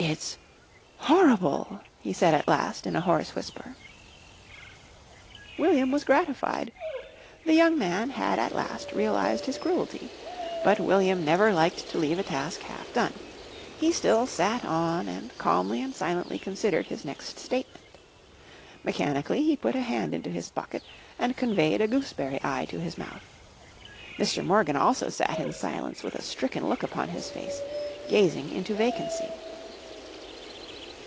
"It's horrible," he said at last in a hoarse whisper. William was gratified. The young man had at last realised his cruelty. But William never liked to leave a task half done. He still sat on and calmly and silently considered his next statement. Mechanically he put a hand into his pocket and conveyed a Gooseberry Eye to his mouth. Mr. Morgan also sat in silence with a stricken look upon his face, gazing into vacancy.